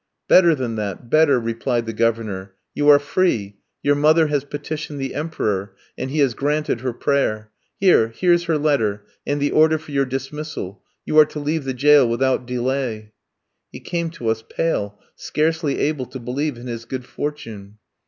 "Better than that, better!" replied the Governor. "You are free; your mother has petitioned the Emperor, and he has granted her prayer. Here, here's her letter, and the order for your dismissal. You are to leave the jail without delay." He came to us pale, scarcely able to believe in his good fortune.